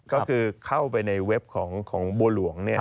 ก็คือเข้าไปในเว็บของบัวหลวง